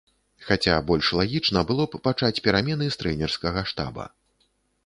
Хаця больш лагічна было б пачаць перамены з трэнерскага штаба.